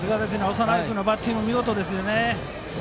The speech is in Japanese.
長内君のバッティング見事ですよね。